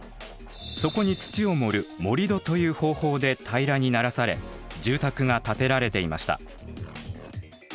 そこに土を盛る「盛り土」という方法で平らにならされ住宅が建てられていました。